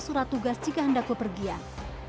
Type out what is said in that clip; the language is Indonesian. surat tugas jika hendak kepergian